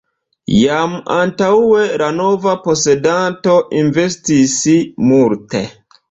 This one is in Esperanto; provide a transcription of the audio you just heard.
Jam antaŭe la nova posedanto investis multe.